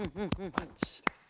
バッチシです。